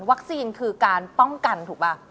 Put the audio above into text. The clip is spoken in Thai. วัคซีนคือการป้องกันถูกไหม